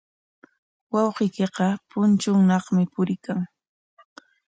Wawqiykiqa punchuunaqmi puriykan.